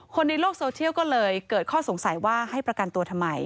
คนในโลกโซเชียลก็เลยเกิดข้อสงสัยว่าให้ประกันตัวทำไม